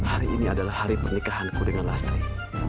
hari ini adalah hari pernikahanku dengan lastri